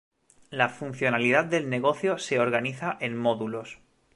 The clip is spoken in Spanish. La funcionalidad del negocio se organiza en módulos.